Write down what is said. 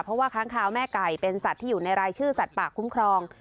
เพราะว่าค้างคาวแม่ไก่เป็นสัตว์ที่อยู่ในรายชื่อสัตว์ป่าคุ้มครอง